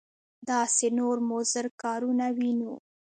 داسې نور مضر کارونه وینو.